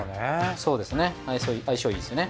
そうですね相性いいですね。